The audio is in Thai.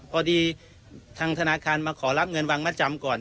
พอดีทางธนาคารมาขอรับเงินวางมัดจำก่อน